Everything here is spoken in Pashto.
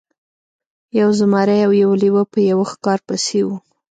یو زمری او یو لیوه په یوه ښکار پسې وو.